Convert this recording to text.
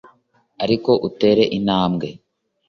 ariko utere intambwe